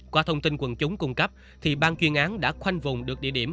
qua thông tin quần chúng cung cấp thì bang chuyên án đã khoanh vùng được địa điểm